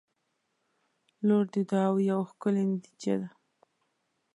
• لور د دعاوو یوه ښکلي نتیجه ده.